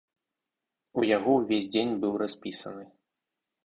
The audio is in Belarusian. У яго ўвесь дзень быў распісаны.